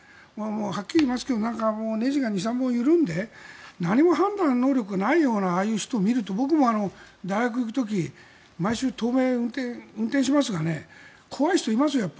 はっきり言いますけどねじが２３本緩んで何も判断能力がないようなああいう人を見ると僕も大学に行く時に毎週、東名を運転しますが怖い人いますよ。